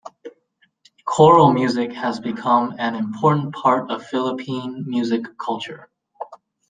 Choral music has become an important part of Philippine music culture.